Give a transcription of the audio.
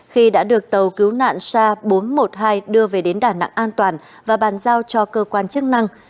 khi đã được tàu cứu nạn sa bốn trăm một mươi hai đưa về đến đà nẵng an toàn và bàn giao cho cơ quan chức năng